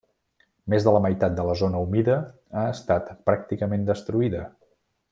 Més de la meitat de la zona humida ha estat pràcticament destruïda.